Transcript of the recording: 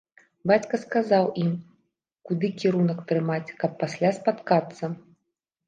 Бацька сказаў ім, куды кірунак трымаць, каб пасля спаткацца.